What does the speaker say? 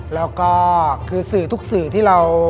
แล้วก็คือสื่อทุกสื่อที่เรา